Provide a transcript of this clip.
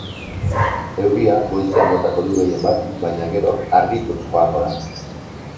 Euria goizean botako du, gehien bat, baina gero argituz joango da.